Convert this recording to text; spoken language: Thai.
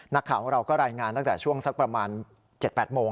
นักข่าวของเราก็รายงานตั้งแต่ช่วงสักประมาณ๗๘โมง